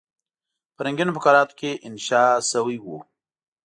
په رنګینو فقراتو کې انشا شوی وو.